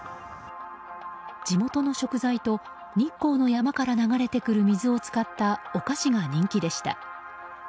地元の食材と、日光の山から流れてくる水を使ったお菓子が人気でした。